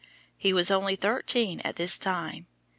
He was only thirteen at this time.